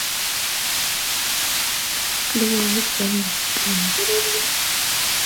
Logoiwech che miach, Eh bororyo